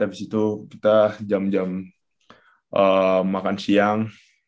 habis itu kita jam jam makan siang